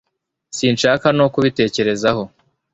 sinshaka no kubitekerezaho